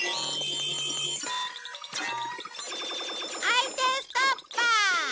あい手ストッパー。